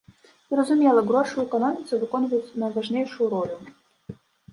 Зразумела, грошы ў эканоміцы выконваюць найважнейшую ролю.